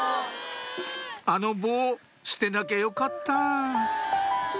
「あの棒捨てなきゃよかった」